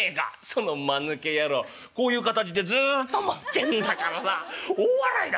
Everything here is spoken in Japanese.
そのまぬけ野郎こういう形でずっと待ってんだからさ大笑いだろ。